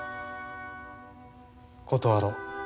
断ろう。